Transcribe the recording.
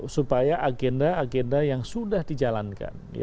supaya agenda agenda yang sudah dijalankan